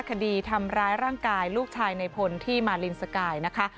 คดีทำร้ายร่างกายลูกชายในพลที่มาลินสกายนะคะ